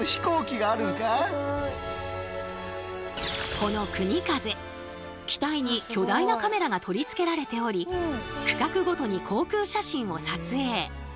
このくにかぜ機体に巨大なカメラが取り付けられており区画ごとに航空写真を撮影。